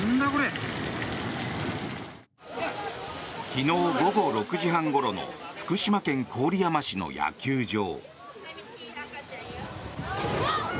昨日午後６時半ごろの福島県郡山市の野球場。